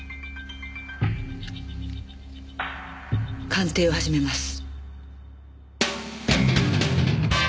鑑定を始めます。